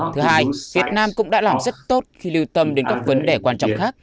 thứ hai việt nam cũng đã làm rất tốt khi lưu tâm đến các vấn đề quan trọng khác